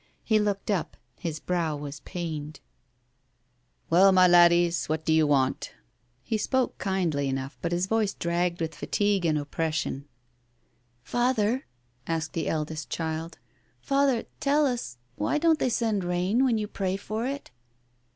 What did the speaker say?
He looked up; his brow was pained. Digitized by Google 220 TALES OF THE UNEASY " Well, my laddies, what do you want ?" He spoke kindly enough, but his voice dragged with fatigue and oppression. "Father," asked the eldest child, "Father, tell us; why don't they send rain when you pray for it?"